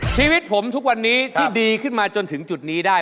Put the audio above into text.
ชีวิตผมทุกวันนี้ที่ดีขึ้นมาจนถึงจุดนี้ได้